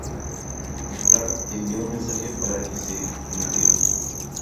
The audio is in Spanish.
Bragg envió otra mensaje para que se rindieran.